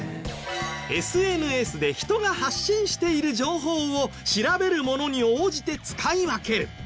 ＳＮＳで人が発信している情報を調べるものに応じて使い分ける。